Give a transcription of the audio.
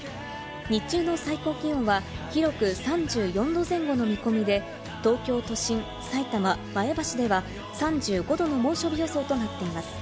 日中の最高気温は広く３４度前後の見込みで、東京都心、埼玉、前橋では３５℃の猛暑日予想となっています。